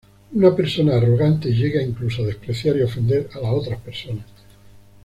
Una persona arrogante llega, incluso, a despreciar y ofender a las otras personas.